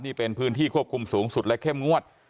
นี่เป็นพื้นที่ควบคุมสูงสุดและเข้มงวด